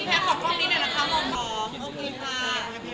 แล้วพอเกิดเรื่องก็หายเลย